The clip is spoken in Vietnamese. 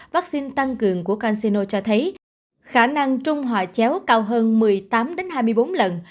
vaccine tăng cường của canxino cho thấy khả năng trung hòa chéo cao hơn một mươi tám hai mươi bốn lần